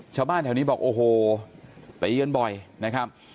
ชาวบ้านแถวนี้บอกโอ้โหตีกันบ่อยนะครับ